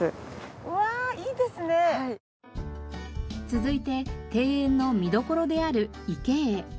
続いて庭園の見どころである池へ。